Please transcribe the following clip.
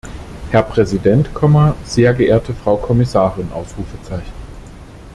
Herr Präsident, sehr geehrte Frau Kommissarin!